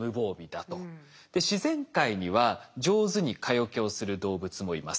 で自然界には上手に蚊よけをする動物もいます。